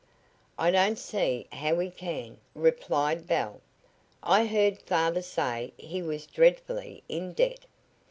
"I don't see how he can," replied Belie. "I heard father say he was dreadfully in debt.